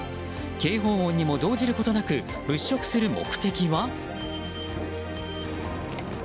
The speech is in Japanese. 警報音にも動じることなく物色する目的は？